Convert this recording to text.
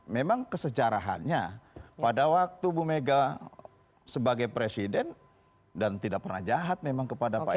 memang kesejarahannya pada waktu bu mega sebagai presiden dan tidak pernah jahat memang kepada pak jokowi